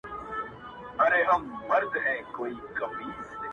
نه زما ژوند ژوند سو او نه راسره ته پاته سوې؛